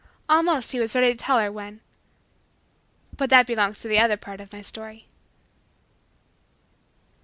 Almost he was ready to tell her, when But that belongs to the other part of my story.